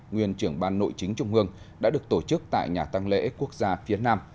nguyên trưởng ban nội chính trung ương đã được tổ chức tại nhà tăng lễ quốc gia phía nam